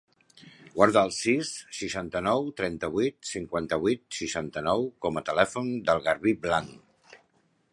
Guarda el sis, seixanta-nou, trenta-vuit, cinquanta-vuit, seixanta-nou com a telèfon del Garbí Blanc.